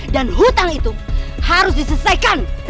dan hutang itu harus disesaikan